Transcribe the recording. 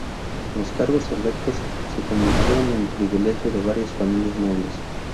Los cargos electos se convirtieron en privilegio de varias familias nobles.